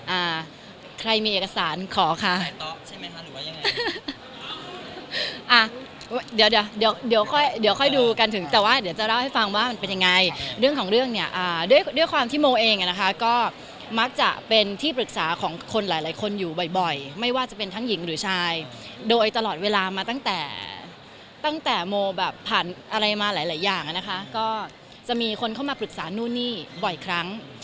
อ่าใครมีเอกสารขอค่ะอ่าเดี๋ยวเดี๋ยวค่อยดูกันถึงแต่ว่าเดี๋ยวจะเล่าให้ฟังว่ามันเป็นยังไงเรื่องของเรื่องเนี่ยด้วยความที่โมนเองนะคะก็มักจะเป็นที่ปรึกษาของคนหลายคนอยู่บ่อยไม่ว่าจะเป็นทั้งหญิงหรือชายโดยตลอดเวลามาตั้งแต่ตั้งแต่โมนแบบผ่านอะไรมาหลายอย่างนะคะก็จะมีคนเข้ามาปรึกษานู่นนี่บ่อยครั้